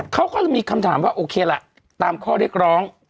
เขาก็เลยมีคำถามว่าโอเคล่ะตามข้อเรียกร้อง